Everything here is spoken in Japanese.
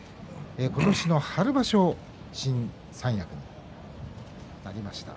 今年の春場所新三役になりました。